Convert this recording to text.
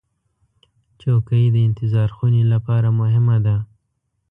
چوکۍ د انتظار خونې لپاره مهمه ده.